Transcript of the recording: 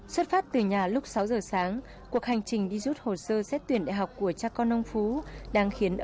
xuất phát từ nhà lúc sáu giờ sáng cuộc hành trình đi rút hồ sơ xét tuyển đại học của cha con ông phú đang khiến